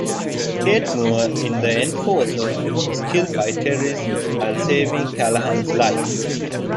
Kate Moore in "The Enforcer" is killed by terrorists while saving Callahan's life.